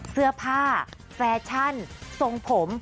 เสื้อผ้าแฟชั่นทรงผม